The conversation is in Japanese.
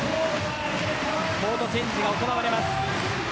コートチェンジが行われます。